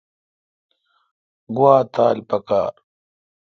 گوا تھال پکار۔